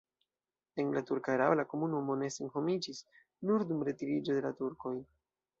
En la turka erao la komunumo ne senhomiĝis, nur dum retiriĝo de la turkoj.